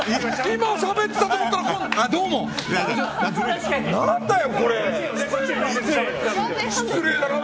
今、しゃべってたと思ったら。